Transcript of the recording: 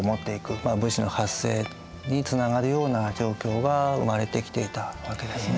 まあ武士の発生につながるような状況が生まれてきていたわけですね。